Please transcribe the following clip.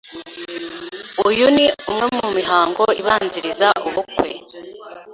Uyu ni umwe mu mihango ibanziriza ubukwe